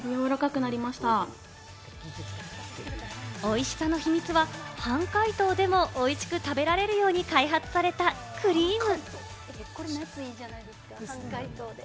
おいしさの秘密は半解凍でもおいしく食べられるように開発されたクリーム。